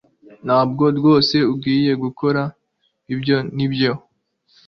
Ntabwo rwose ugiye gukora ibyo nibyo